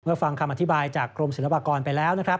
ฟังคำอธิบายจากกรมศิลปากรไปแล้วนะครับ